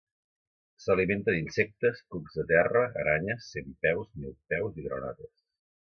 S'alimenta d'insectes, cucs de terra, aranyes, centpeus, milpeus i granotes.